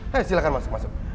hai silahkan masuk masuk